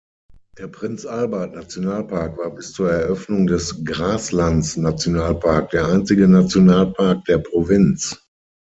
Der Prinz-Albert-Nationalpark war bis zur Eröffnung des Grasslands-Nationalpark der einzige Nationalpark der Provinz.